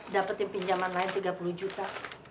dapetin pinjaman lain tiga puluh juta